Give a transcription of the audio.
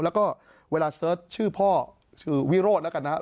แล้วก็เวลาเสิร์ชชื่อพ่อชื่อวิโรธแล้วกันนะครับ